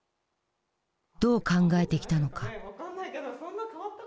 どう考えてきたのか。